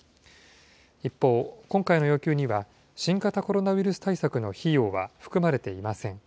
一方、今回の要求には、新型コロナウイルス対策の費用は含まれていません。